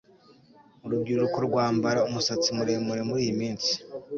Urubyiruko rwambara umusatsi muremure muriyi minsi